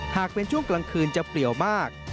หากเป็นช่วงกลางคืนจะเปรียวมาก